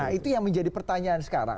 nah itu yang menjadi pertanyaan sekarang